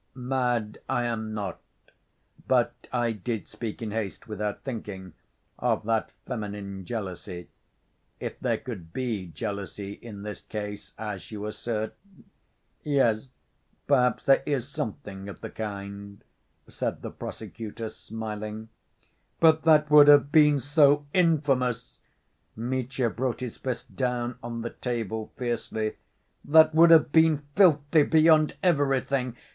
"Mad I am not, but I did speak in haste, without thinking ... of that feminine jealousy ... if there could be jealousy in this case, as you assert ... yes, perhaps there is something of the kind," said the prosecutor, smiling. "But that would have been so infamous!" Mitya brought his fist down on the table fiercely. "That would have been filthy beyond everything!